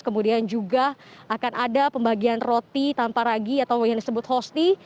kemudian juga akan ada pembagian roti tanpa ragi atau yang disebut hosti